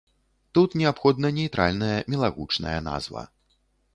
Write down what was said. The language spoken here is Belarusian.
Тут неабходна нейтральная мілагучная назва.